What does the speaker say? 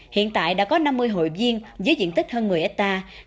hiện tại đã có năm mươi hội viên với diện tích hơn một mươi hectare